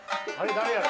誰やろ？